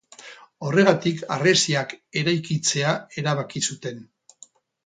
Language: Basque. Horregatik harresiak eraikitzea erabaki zuten.